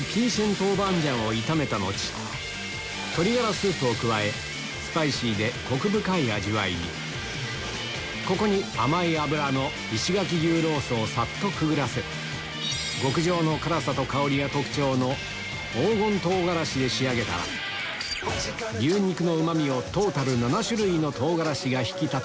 豆板醤を炒めた後鶏がらスープを加えスパイシーでコク深い味わいにここに甘い脂の石垣牛ロースをさっとくぐらせる極上の辛さと香りが特徴の牛肉のうまみをトータル７種類の唐辛子が引き立てる